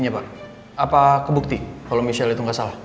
apa kebukti kalau michelle itu gak salah